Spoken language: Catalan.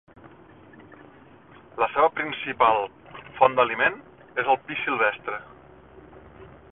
La seva principal font d'aliment és el pi silvestre.